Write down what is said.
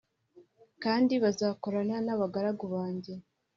kandi bazakorana n’abagaragu banjye